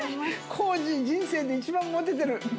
コージ人生で一番モテてる今日。